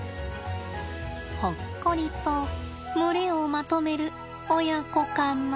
ほっこりと群れをまとめる親子かな。